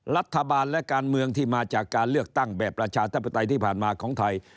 รัฐบาลและการเมืองที่มาจากการเลือกตั้งแบบประชาธิปไตยที่ผ่านมาของไทย